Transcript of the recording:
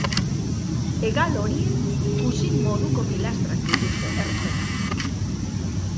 Hegal horiek kuxin moduko pilastrak dituzte ertzetan.